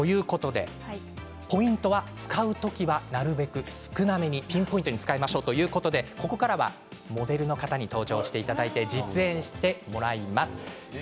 ポイントは使う時はなるべく少なめに、ピンポイントで使いましょうということでここからはモデルの方に登場していただいて実演してもらいます。